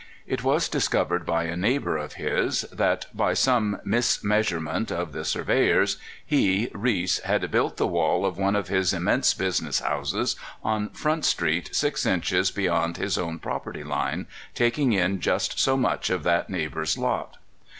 It was discovered by a neighbor of his that, by some mismeasurement of the surveyors, he (Reese) had built the wall of one of his immense business houses on Front Street six inches beyond his own proper line, taking in just so much of that neighbor's lot.